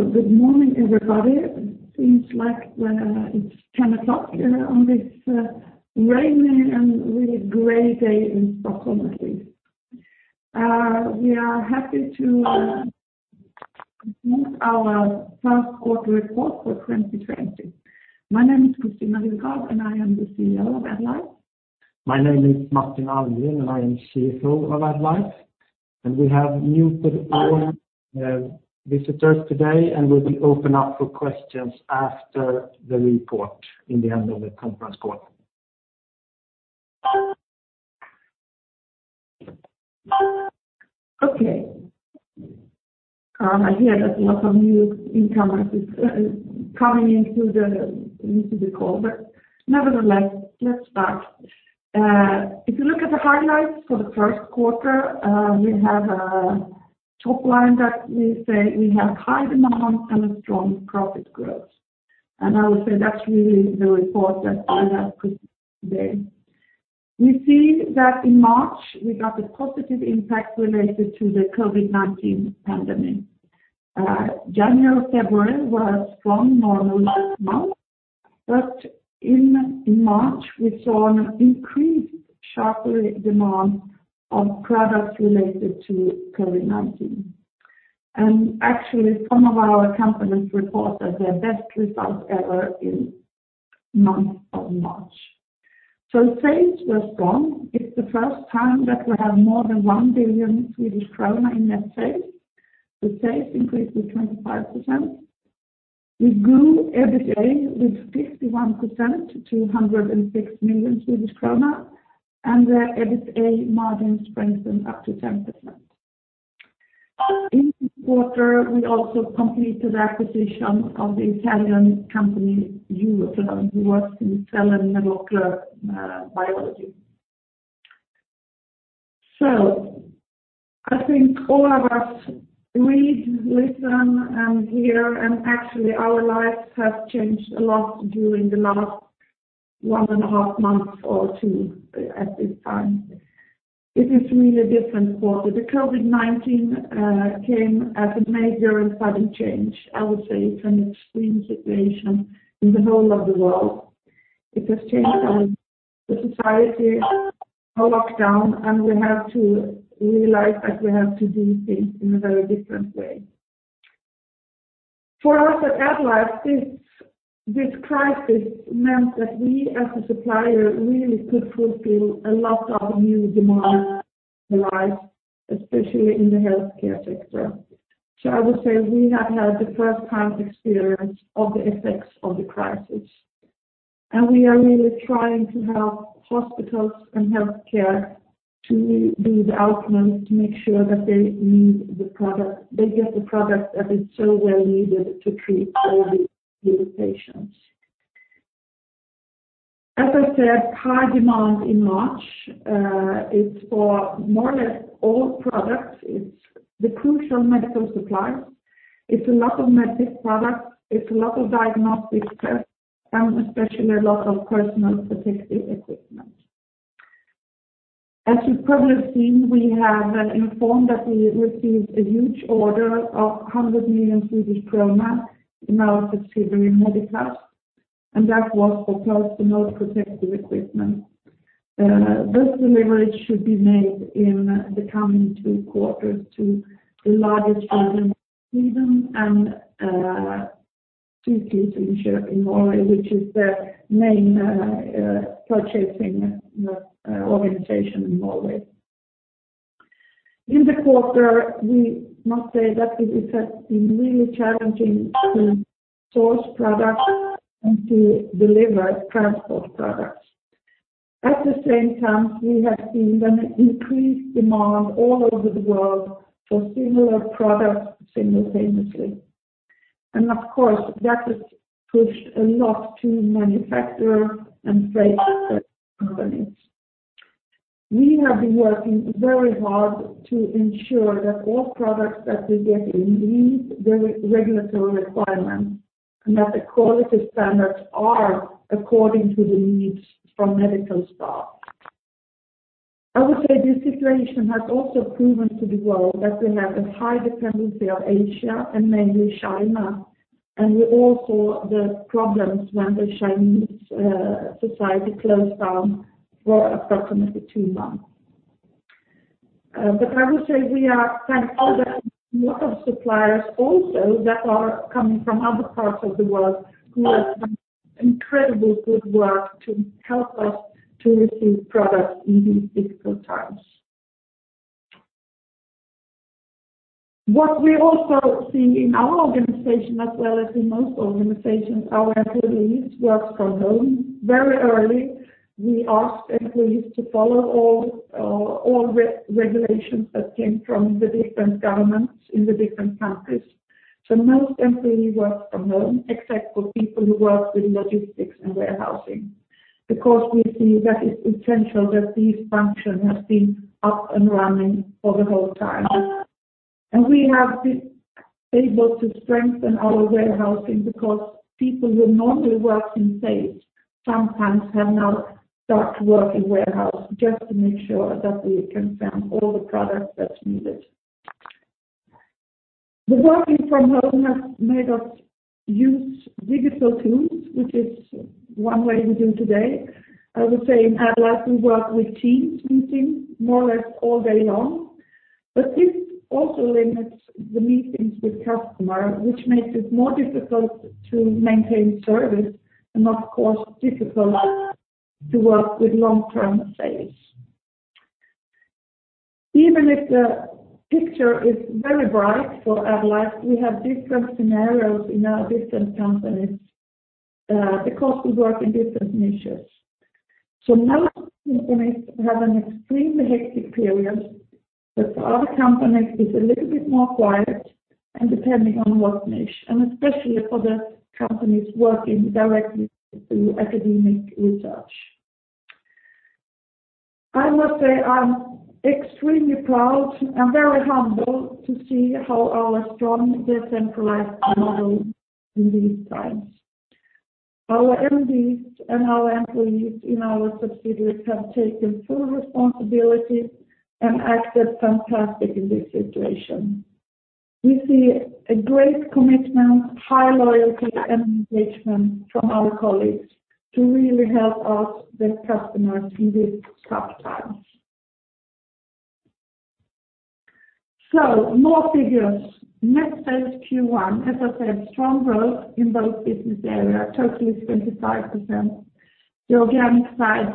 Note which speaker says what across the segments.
Speaker 1: Good morning, everybody. It seems like it's 10:00 AM on this rainy and really gray day in Stockholm, at least. We are happy to present our First Quarter Report for 2020. My name is Kristina Willgård, and I am the CEO of AddLife.
Speaker 2: My name is Martin Almgren. I am CFO of AddLife. We have muted all visitors today, and we'll be open up for questions after the report in the end of the conference call.
Speaker 1: Okay. I hear that lots of new incomers coming into the call. Nevertheless, let's start. If you look at the highlights for the first quarter, we have a top line that we say we have high demand and a strong profit growth. I would say that's really the report that I have today. We see that in March, we got a positive impact related to the COVID-19 pandemic. January, February were strong normal months, but in March, we saw an increased sharper demand on products related to COVID-19. Actually, some of our companies report that their best results ever in month of March. Sales were strong. It's the first time that we have more than 1 billion Swedish krona in net sales. The sales increased with 25%. We grew EBITDA with 51% to 206 million Swedish kronor, and the EBITDA margin strengthened up to 10%. In this quarter, we also completed acquisition of the Italian company, EuroClone, who was in cell and medical biology. I think all of us read, listen, and hear, and actually our lives have changed a lot during the last one and a half months or two at this time. It is really a different quarter. The COVID-19 came as a major and sudden change. I would say it's an extreme situation in the whole of the world. It has changed the society. We're locked down, and we have to realize that we have to do things in a very different way. For us at AddLife, this crisis meant that we, as a supplier, really could fulfill a lot of new demand in life, especially in the healthcare sector. I would say we have had the first-hand experience of the effects of the crisis, and we are really trying to help hospitals and healthcare to do the outcome to make sure that they get the product that is so well needed to treat all the patients. As I said, high demand in March. It's for more or less all products. It's the crucial medical supplies. It's a lot of medic products. It's a lot of diagnostic tests and especially a lot of personal protective equipment. As you've probably seen, we have informed that we received a huge order of 100 million Swedish krona in our subsidiary, Mediplast, and that was for personal protective equipment. This delivery should be made in the coming two quarters to the largest island of Sweden and two pieces in Norway, which is the main purchasing organization in Norway. In the quarter, we must say that it has been really challenging to source products and to deliver transport products. At the same time, we have seen an increased demand all over the world for similar products simultaneously. Of course, that has pushed a lot to manufacturer and freight companies. We have been working very hard to ensure that all products that we get indeed meet the regulatory requirements and that the quality standards are according to the needs from medical staff. I would say this situation has also proven to the world that we have a high dependency on Asia and mainly China, and we all saw the problems when the Chinese society closed down for approximately two months. I would say we thank all the lot of suppliers also that are coming from other parts of the world who have done incredible good work to help us to receive products in these difficult times. What we also see in our organization as well as in most organizations, our employees work from home. Very early, we asked employees to follow all regulations that came from the different governments in the different countries. Most employees work from home, except for people who work with logistics and warehousing, because we see that it's essential that this function has been up and running for the whole time. We have been able to strengthen our warehousing because people who normally work in sales sometimes have now start to work in warehouse just to make sure that we can find all the products that's needed. The working from home has made us use digital tools, which is one way we do today. I would say in AddLife, we work with teams meeting more or less all day long. This also limits the meetings with customer, which makes it more difficult to maintain service and of course, difficult to work with long-term sales. Even if the picture is very bright for AddLife, we have different scenarios in our different companies, because we work in different niches. Now companies have an extremely hectic period, but for other companies, it's a little bit more quiet and depending on what niche, and especially for the companies working directly through academic research. I must say, I'm extremely proud and very humbled to see how our strong decentralized model in these times. Our MDs and our employees in our subsidiaries have taken full responsibility and acted fantastic in this situation. We see a great commitment, high loyalty, and engagement from our colleagues to really help us with customers in these tough times. More figures. Net sales Q1, as I said, strong growth in both business area, totally 25%. The organic side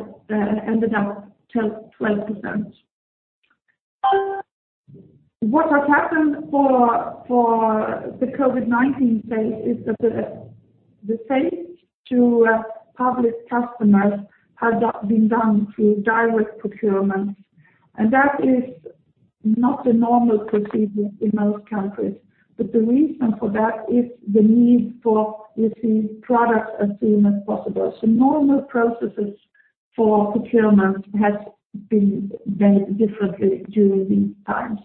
Speaker 1: ended up 12%. What has happened for the COVID-19 sales is that the sales to public customers has been done through direct procurements, and that is not a normal procedure in most countries. The reason for that is the need for receiving products as soon as possible. Normal processes for procurement has been done differently during these times.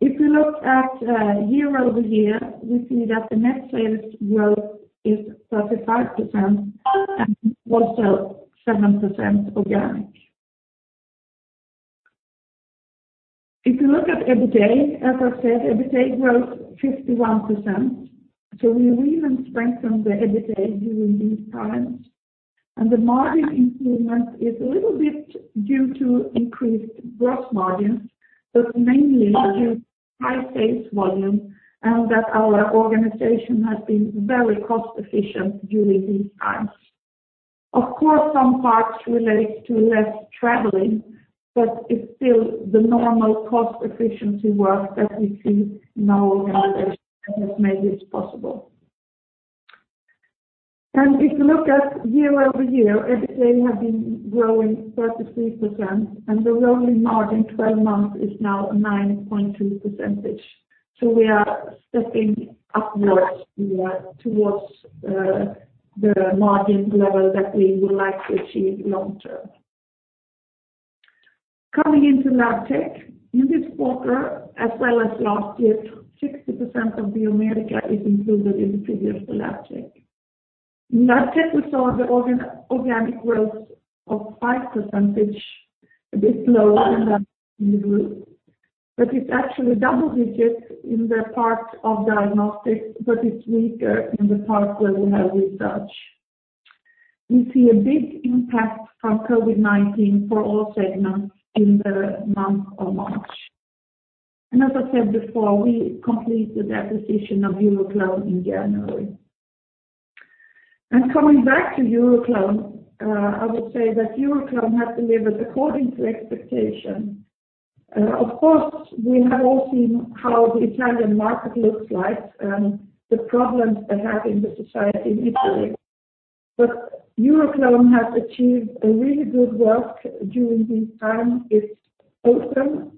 Speaker 1: If you look at year-over-year, we see that the net sales growth is 35% and also 7% organic. If you look at EBITDA, as I said, EBITDA grows 51%. We even strengthen the EBITDA during these times, and the margin improvement is a little bit due to increased gross margins, but mainly due high sales volume, and that our organization has been very cost efficient during these times. Of course, some parts relate to less traveling, it's still the normal cost efficiency work that we see in our organization has made this possible. If you look at year-over-year, EBITDA have been growing 33%, and the rolling margin 12 months is now a 9.2%. We are stepping upwards towards the margin level that we would like to achieve long term. Coming into Labtech. In this quarter, as well as last year, 60% of the Americas is included in the figures for LabTech. In LabTech, we saw the organic growth of 5%, a bit slow in that group. It's actually double digits in the part of diagnostic, but it's weaker in the part where we have research. We see a big impact from COVID-19 for all segments in the month of March. As I said before, we completed the acquisition of EuroClone in January. Coming back to EuroClone, I would say that EuroClone has delivered according to expectation. Of course, we have all seen how the Italian market looks like and the problems they have in the society in Italy. EuroClone has achieved a really good work during this time. It's open,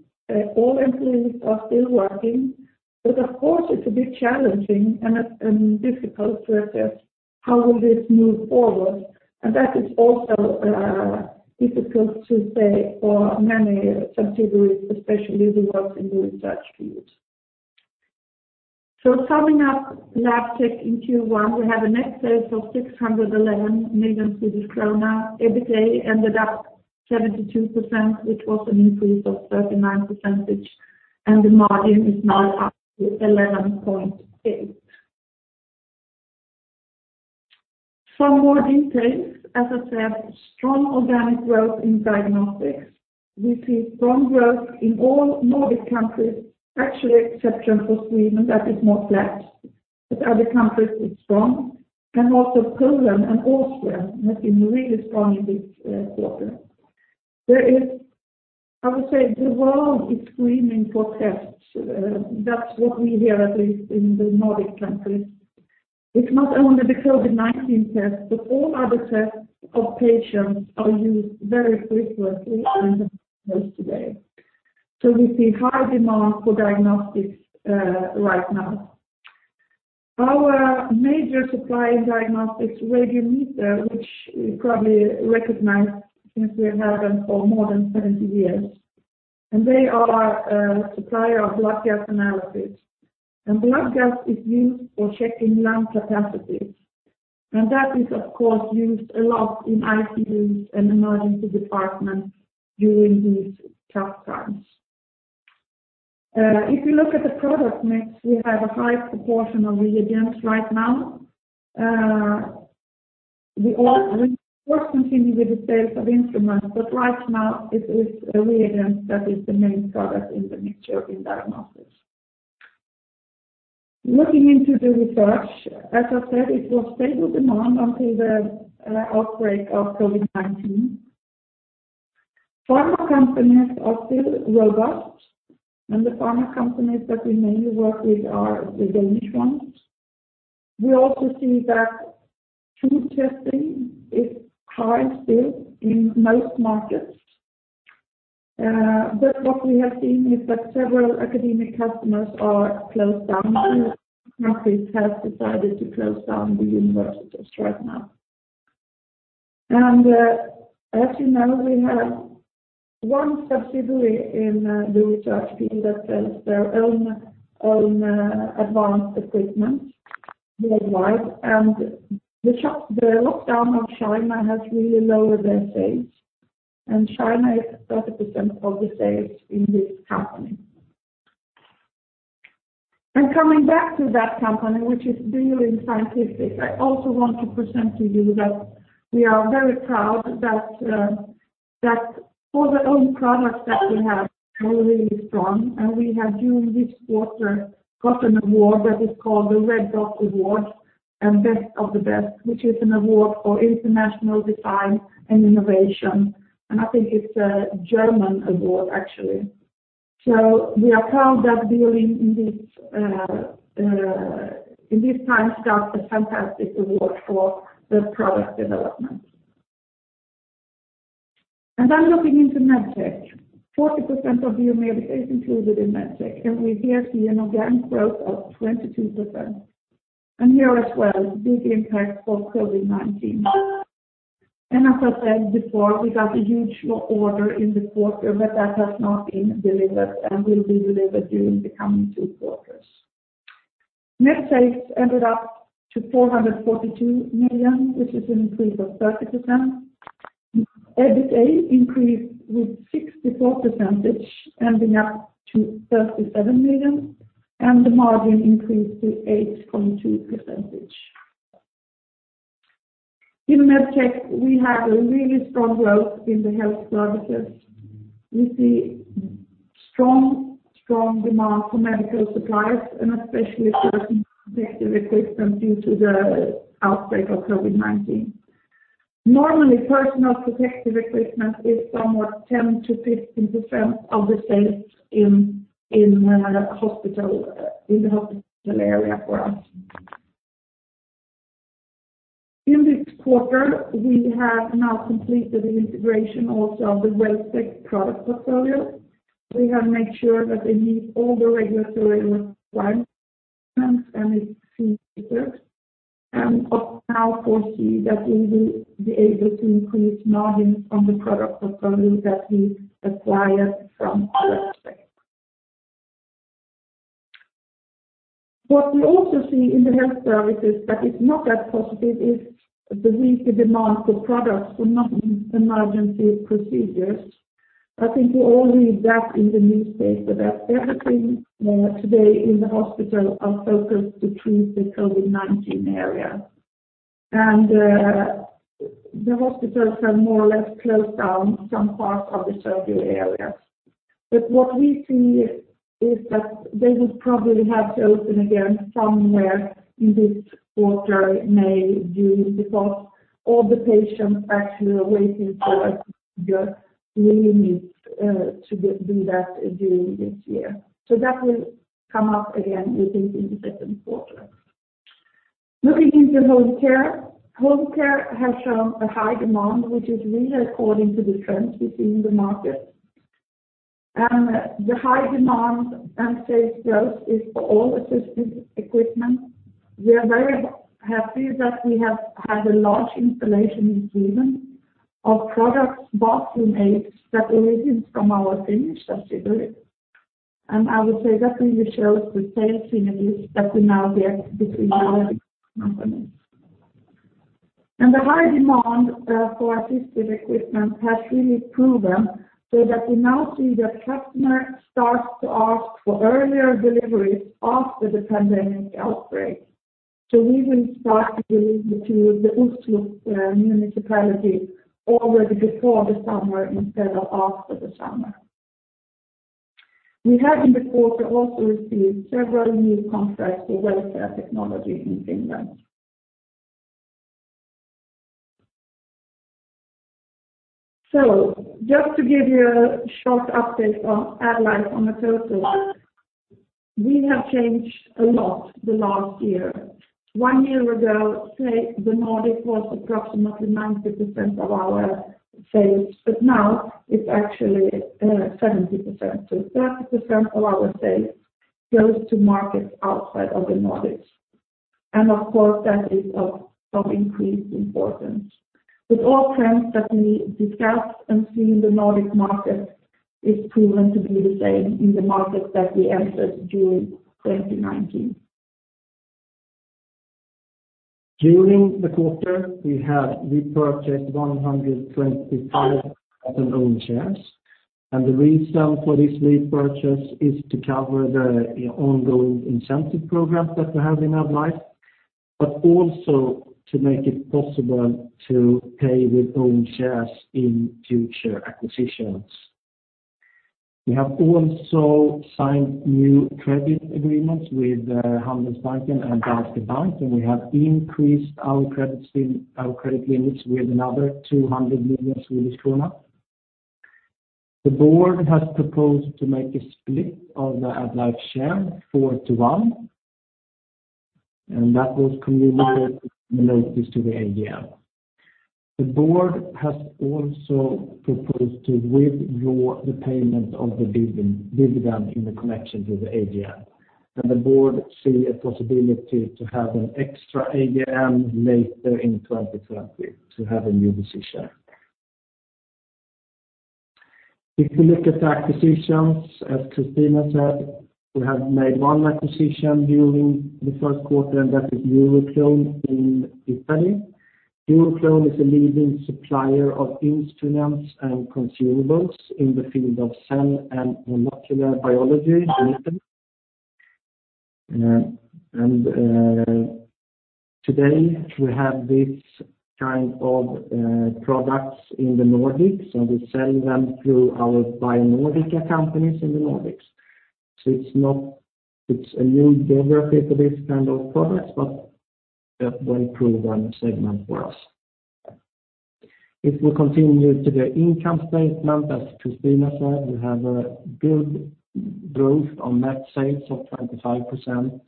Speaker 1: all employees are still working, but of course, it's a bit challenging and difficult to assess how will this move forward. That is also difficult to say for many subsidiaries, especially who works in the research field. Summing up LabTech in Q1, we have a net sales of 611 million. EBITDA ended up 72%, which was an increase of 39%, and the margin is now up to 11.8%. Some more details. As I said, strong organic growth in diagnostics. We see strong growth in all Nordic countries, actually exception for Sweden, that is more flat. Other countries it's strong, and also Poland and Austria have been really strong in this quarter. I would say the world is screaming for tests. That's what we hear, at least in the Nordic countries. It's not only the COVID-19 test, but all other tests of patients are used very frequently in the hospitals today. We see high demand for diagnostics right now. Our major supply in diagnostics, Radiometer, which you probably recognize since we have had them for more than 70 years. They are a supplier of blood gas analysis. Blood gas is used for checking lung capacity. That is, of course, used a lot in ICUs and emergency departments during these tough times. If you look at the product mix, we have a high proportion of reagents right now. We of course continue with the sales of instruments, but right now it is reagents that is the main product in the mixture in diagnostics. Looking into the research, as I said, it was stable demand until the outbreak of COVID-19. Pharma companies are still robust, and the pharma companies that we mainly work with are the Danish ones. We also see that food testing is high still in most markets. What we have seen is that several academic customers are closed down, and countries have decided to close down the universities right now. As you know, we have one subsidiary in the research field that sells their own advanced equipment worldwide. The lockdown of China has really lowered their sales, and China is 30% of the sales in this company. Coming back to that company, which is Biolin Scientific, I also want to present to you that we are very proud that for their own products that they have are really strong. We have during this quarter, got an award that is called the Red Dot Award and Best of the Best, which is an award for international design and innovation, I think it's a German award, actually. We are proud that Biolin Scientific in this time got a fantastic award for their product development. Looking into MedTech, 40% of Humelle sales is included in Medtech, and we here see an organic growth of 22%. Here as well, big impact of COVID-19. As I said before, we got a huge order in the quarter, that has not been delivered and will be delivered during the coming two quarters. Net sales ended up to 442 million, which is an increase of 30%. EBITA increased with 64%, ending up to 37 million, and the margin increased to 8.2%. In Medtech, we have a really strong growth in the health services. We see strong demand for medical supplies and especially personal protective equipment due to the outbreak of COVID-19. Normally, personal protective equipment is somewhat 10%-15% of the sales in the hospital area for us. In this quarter, we have now completed the integration also of the Wellspect product portfolio. We have made sure that they meet all the regulatory requirements, and it's CE marked. Up now foresee that we will be able to increase margins from the product portfolio that we acquired from Wellspect. What we also see in the health services that is not that positive is the weaker demand for products for non-emergency procedures. I think you all read that in the newspaper, that everything today in the hospital are focused to treat the COVID-19 area. The hospitals have more or less closed down some parts of the surgery area. What we see is that they will probably have to open again somewhere in this quarter, May, June, because all the patients actually waiting for a procedure really need to do that during this year. That will come up again, we think, in the second quarter. Looking into Homecare has shown a high demand, which is really according to the trends we see in the market. The high demand and sales growth is for all assistive equipment. We are very happy that we have had a large installation in Sweden of products Path we made that origins from our Finnish subsidiary. I would say that really shows the sales synergies that we now get between the two companies. The high demand for assistive equipment has really proven, so that we now see that customers start to ask for earlier deliveries after the pandemic outbreak. We will start delivering to the Oslo municipality already before the summer instead of after the summer. We have in the quarter also received several new contracts for welfare technology in Finland. Just to give you a short update on AddLife on the total, we have changed a lot the last year. One year ago, say the Nordic was approximately 90% of our sales, but now it's actually 70%. 30% of our sales goes to markets outside of the Nordics. Of course, that is of increased importance. With all trends that we discussed and see in the Nordic market, it's proven to be the same in the markets that we entered during 2019.
Speaker 2: During the quarter, we have repurchased 125,000 own shares. The reason for this repurchase is to cover the ongoing incentive program that we have in AddLife, but also to make it possible to pay with own shares in future acquisitions. We have also signed new credit agreements with Handelsbanken and DNB. We have increased our credit limits with another 200 million Swedish krona. The board has proposed to make a split of the AddLife share 4:1. That was communicated in notice to the AGM. The board has also proposed to withdraw the payment of the dividend in the connection to the AGM. The board see a possibility to have an extra AGM later in 2020 to have a new decision. If you look at the acquisitions, as Kristina said, we have made one acquisition during the first quarter, and that is EuroClone in Italy. EuroClone is a leading supplier of instruments and consumables in the field of cell and molecular biology in Italy. Today we have these kind of products in the Nordics, and we sell them through our BioNordika companies in the Nordics. It's a new geography for this kind of products, but a well-proven segment for us. If we continue to the income statement, as Kristina said, we have a good growth on net sales of 25%,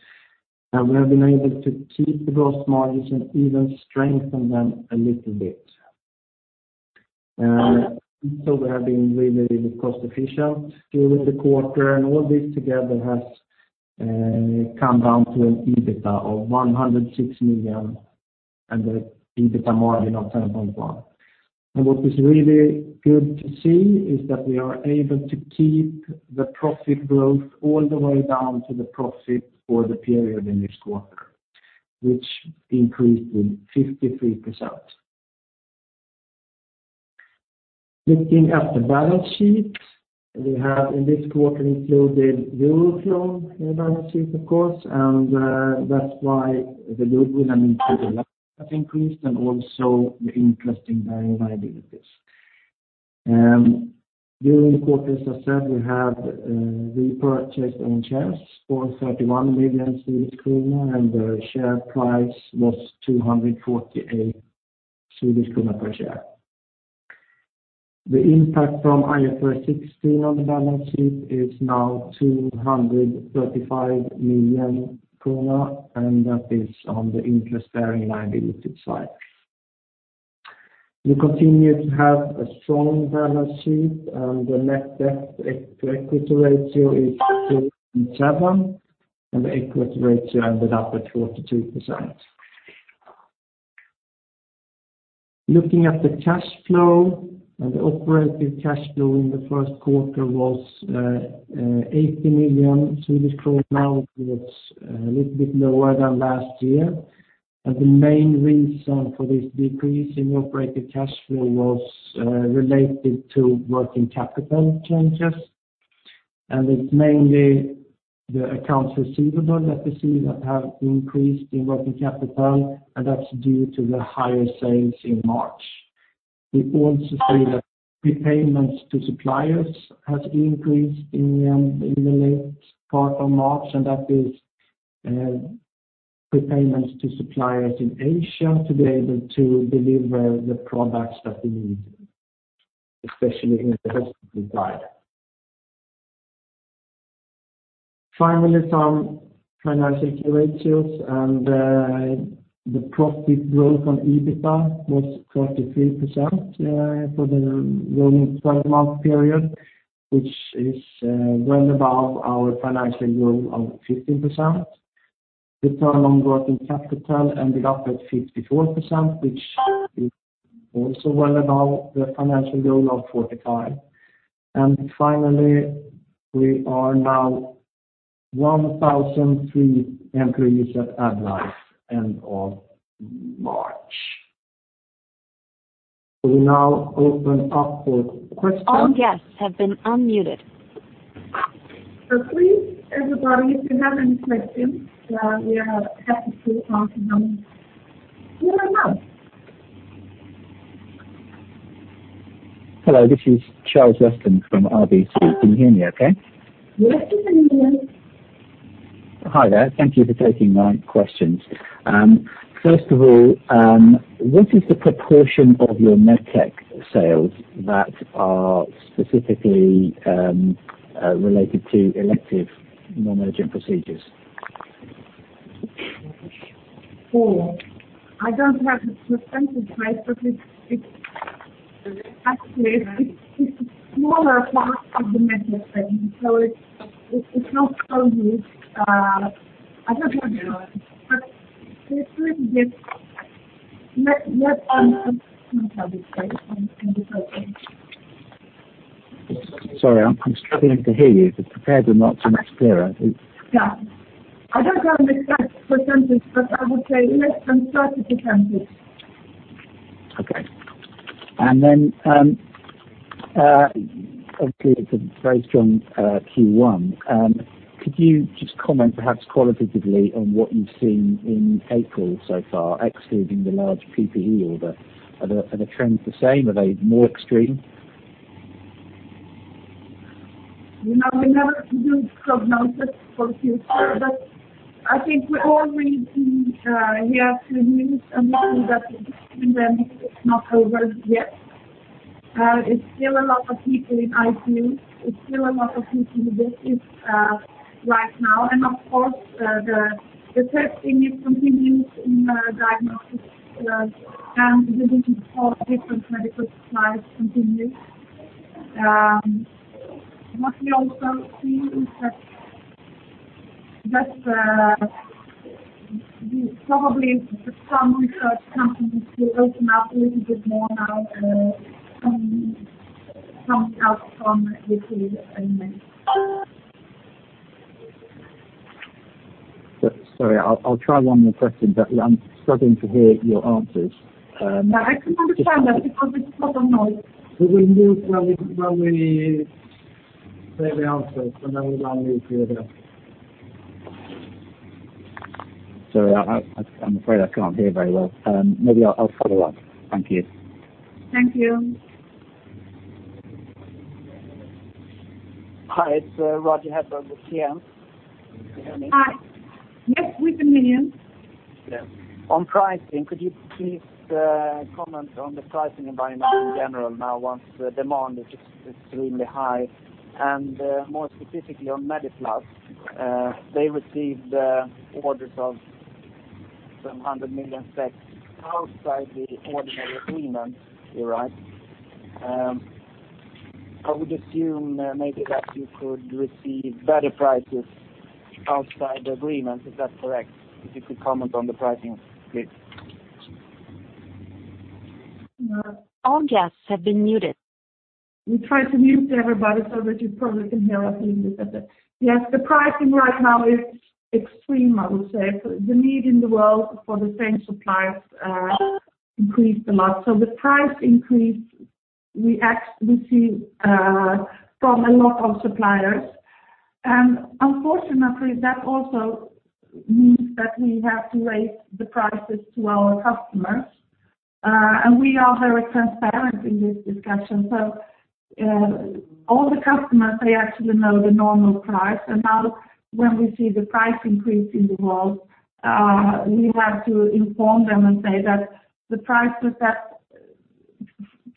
Speaker 2: and we have been able to keep the gross margins and even strengthen them a little bit. Also we have been really cost efficient during the quarter, and all this together has come down to an EBITDA of 106 million and the EBITDA margin of 10.1%. What is really good to see is that we are able to keep the profit growth all the way down to the profit for the period in this quarter, which increased with 53%. Looking at the balance sheet, we have in this quarter included EuroClone in the balance sheet, of course, and that's why the goodwill and intangible assets increased and also the interest in non-liabilities. During the quarter, as I said, we have repurchased own shares for 31 million Swedish kronor, and the share price was 248 Swedish kronor per share. The impact from IFRS 16 on the balance sheet is now 235 million krona, and that is on the interest-bearing liabilities side. We continue to have a strong balance sheet, and the net debt to equity ratio is 2.7, and the equity ratio ended up at 42%. Looking at the cash flow, the operative cash flow in the first quarter was 80 million, which was a little bit lower than last year. The main reason for this decrease in operative cash flow was related to working capital changes, and it's mainly the accounts receivable that we see that have increased in working capital, and that's due to the higher sales in March. We also see that prepayments to suppliers has increased in the late part of March, and that is prepayments to suppliers in Asia to be able to deliver the products that we need, especially in the health supplier. Finally, some financial key ratios, and the profit growth on EBITDA was 43% for the rolling 12-month period, which is well above our financial goal of 15%. Return on working capital ended up at 54%, which is also well above the financial goal of 45%. Finally, we are now 1,003 employees at AddLife end of March. We now open up for questions.
Speaker 1: Please, everybody, if you have any questions, we are happy to answer them.
Speaker 3: Hello, this is Charles Weston from RBC Capital Markets. Can you hear me okay?
Speaker 1: Yes, we can hear you.
Speaker 3: Hi there. Thank you for taking my questions. First of all, what is the proportion of your MedTech sales that are specifically related to elective non-urgent procedures?
Speaker 1: Paul, I don't have the percentage, Charles, but actually, it's a smaller part of the medical segment, so it's not so huge. I don't have it now, but it's a little bit less than 30%, I would say.
Speaker 3: Sorry, I'm struggling to hear you. The prepared remarks are much clearer.
Speaker 1: Yeah. I don't have the exact percentage, but I would say less than 30%.
Speaker 3: Okay. Obviously it's a very strong Q1. Could you just comment perhaps qualitatively on what you've seen in April so far, excluding the large PPE order? Are the trends the same? Are they more extreme?
Speaker 1: We never do prognosis for future, but I think we all read in here a few news and know that the pandemic is not over yet. It's still a lot of people in ICU. It's still a lot of people in the business right now, and of course, the testing is continued in diagnostics and within all different medical supplies continues. What we also see is that probably some research companies will open up a little bit more now, coming out from this pandemic.
Speaker 3: Sorry, I'll try one more question, but I'm struggling to hear your answers.
Speaker 1: No, I can understand that because it's a lot of noise.
Speaker 2: Could we mute while we hear the answers, and then we will unmute the other?
Speaker 3: Sorry, I'm afraid I can't hear very well. Maybe I'll follow up. Thank you.
Speaker 1: Thank you.
Speaker 4: Hi, it's Roger Hedberg with CF. Can you hear me?
Speaker 1: Hi. Yes, we can hear you.
Speaker 4: Yes. On pricing, could you please comment on the pricing environment in general now, once the demand is extremely high and more specifically on Mediplast? They received orders of some 100 million outside the ordinary agreement, you're right. I would assume maybe that you could receive better prices outside the agreement. Is that correct? If you could comment on the pricing, please.
Speaker 1: We try to mute everybody so that you probably can hear us a little bit better. Yes, the pricing right now is extreme, I would say. The need in the world for the same suppliers increased a lot. The price increase we see from a lot of suppliers. Unfortunately, that also means that we have to raise the prices to our customers. We are very transparent in this discussion. All the customers, they actually know the normal price. Now when we see the price increase in the world, we have to inform them and say that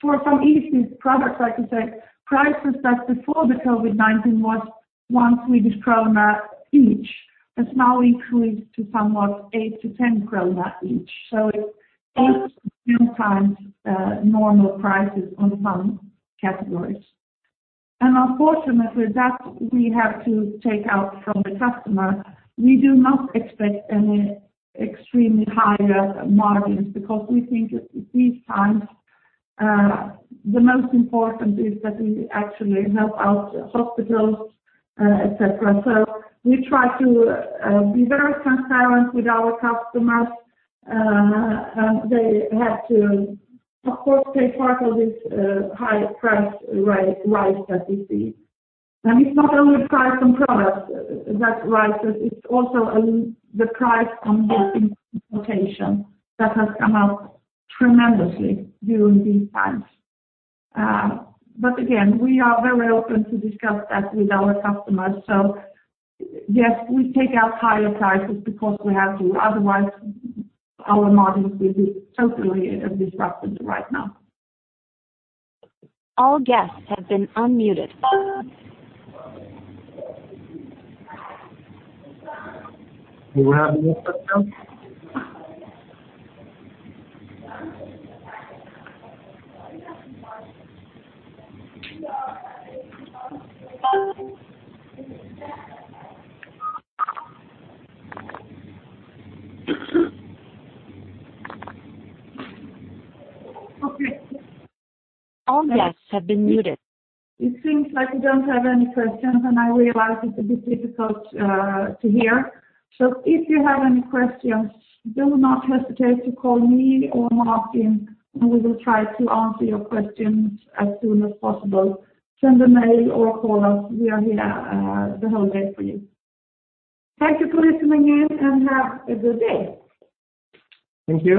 Speaker 1: for some easy products, I could say prices that before the COVID-19 was 1 Swedish krona each, has now increased to somewhat 8- 10 krona each. It's 8-10 times normal prices on some categories. Unfortunately, that we have to take out from the customer. We do not expect any extremely higher margins because we think these times the most important is that we actually help out hospitals et cetera. We try to be very transparent with our customers. They have to, of course, pay part of this higher price rise that we see. It's not only price on products that rises, it's also the price on the transportation that has come up tremendously during these times. Again, we are very open to discuss that with our customers. Yes, we take out higher prices because we have to, otherwise our margins will be totally disrupted right now.
Speaker 2: Do we have any more questions?
Speaker 1: Okay. It seems like we don't have any questions, and I realize it's a bit difficult to hear. If you have any questions, do not hesitate to call me or Martin, and we will try to answer your questions as soon as possible. Send a mail or call us. We are here the whole day for you. Thank you for listening in, and have a good day.
Speaker 2: Thank you.